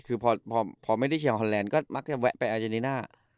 คือพอไม่ได้เชียร์ฮอนแลนด์ก็มักจะแวะไปอาเจนีน่า